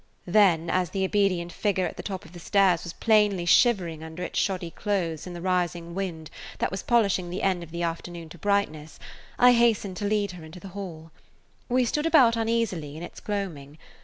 Then, as the obedient figure at the top of the stairs was plainly shivering under its shoddy clothes in the rising wind that was polishing the end of the afternoon to brightness, I hastened to lead her into the hall. We stood about uneasily in its gloaming.